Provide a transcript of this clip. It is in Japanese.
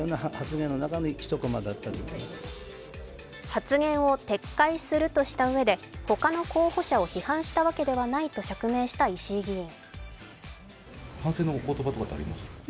発言を撤回するとしたうえで、他の候補者を批判したわけではないと釈明した石井議員。